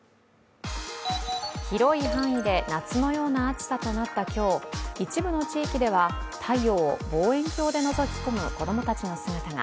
広い範囲で夏のような暑さとなった今日一部の地域では太陽を望遠鏡でのぞき込む子供たちの姿が。